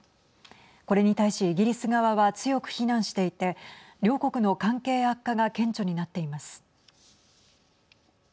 これに対しイギリス側は強く非難していて両国の関係悪化が顕著になっています。